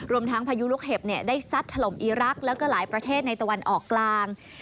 รวมทั้งพายุลูกเห็บได้ซัดถล่มอีรักษ์แล้วก็หลายประเทศในตะวันออกกลาง